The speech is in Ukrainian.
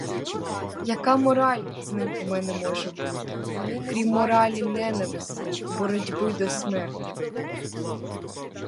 Яка мораль з ним у мене може бути, крім моралі ненависти, боротьби до смерти?